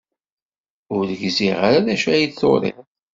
Ur gziɣ ara d acu ay d-turid.